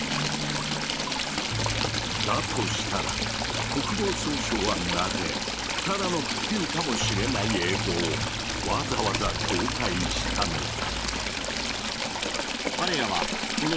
したら国防総省はなぜただの気球かもしれない映像をわざわざ公開したのか？